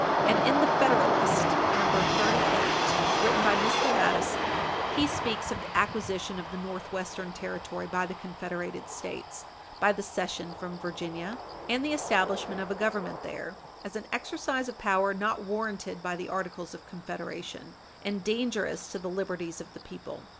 And in the Federalist No. 38, written by Mr. Madison, he speaks of the acquisition of the Northwestern Territory by the confederated States, by the cession from Virginia, and the establishment of a Government there, as an exercise of power not warranted by the Articles of Confederation, and dangerous to the liberties of the people.